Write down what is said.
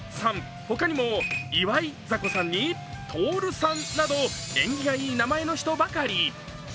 他にも祝迫さんに通さんなど縁起がいい名前の人ばかり。